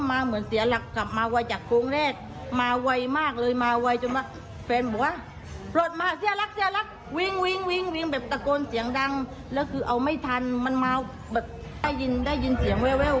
เพียงแบบตะโกนเสียงดังแล้วคือเอาไม่ทันมันมาวแบบได้ยินเสียงเวล